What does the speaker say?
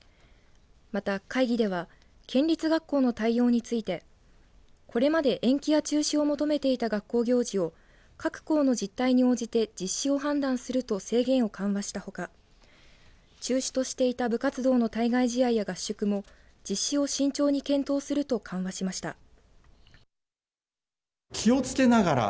また、会議では県立学校の対応についてこれまで延期や中止を求めていた学校行事を各校の実態に応じて実施を判断すると制限を緩和したほか中止としていた部活動の対外試合や合宿も実施を慎重に検討すると緩和しました。